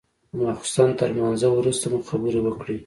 د ماخستن تر لمانځه وروسته مو خبرې وكړې.